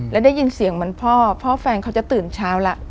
แล้วได้ยินเสียงเหมือนพ่อพ่อแฟนเขาจะตื่นเช้าแล้ว